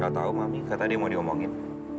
gak tahu mami kata dia mau diomongin